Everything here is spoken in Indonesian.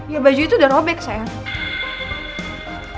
ya baju itu udah robek saya